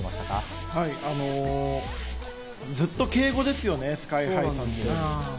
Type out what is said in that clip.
ずっと敬語ですよね、ＳＫＹ−ＨＩさんって。